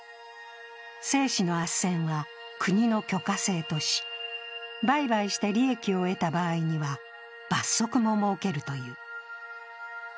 精子のあっせんは国の許可制とし、売買して利益を得た場合には罰則も設けるという。